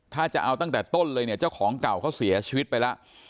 ถ้าจะเอาตั้งแต่ต้นเลยเนี่ยเจ้าของเก่าเขาเสียชีวิตไปแล้ว